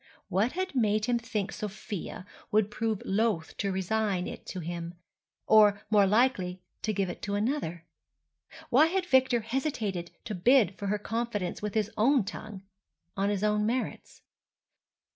What had made him think Sofia would prove loath to resign it to him, or more likely to give it to another? Why had Victor hesitated to bid for her confidence with his own tongue, on his own merits?